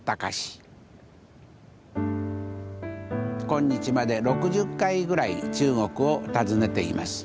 今日まで６０回ぐらい中国を訪ねています。